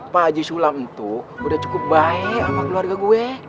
pak haji sulam itu udah cukup baik sama keluarga gue